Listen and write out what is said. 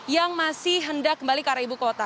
yang masih hendak kembali ke arah ibu kota